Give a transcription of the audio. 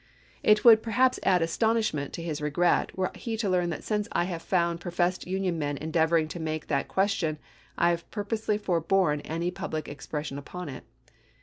It would perhaps add astonish ment to his regret were he to learn that since I have found professed Union men endeavoring to make that question I have purposely forborne any public expression upon it.